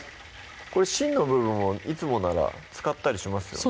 これ芯の部分をいつもなら使ったりしますよね